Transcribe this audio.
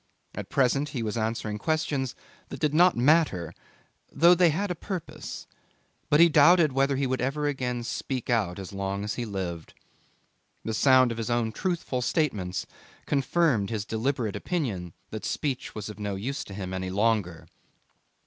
At present he was answering questions that did not matter though they had a purpose, but he doubted whether he would ever again speak out as long as he lived. The sound of his own truthful statements confirmed his deliberate opinion that speech was of no use to him any longer.